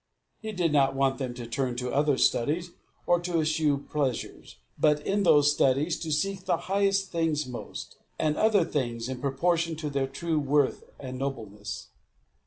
He did not want them to turn to other studies, or to eschew pleasures; but, in those studies, to seek the highest things most, and other things in proportion to their true worth and nobleness.